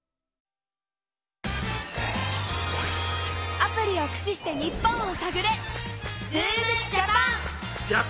アプリをくししてニッポンをさぐれ！